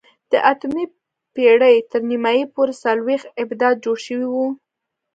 د اتمې پېړۍ تر نیمايي پورې څلوېښت ابدات جوړ شوي وو.